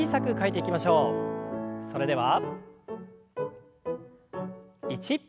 それでは１。